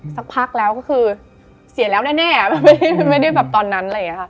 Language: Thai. สักพักแล้วก็คือเสียแล้วแน่ไม่ได้แบบตอนนั้น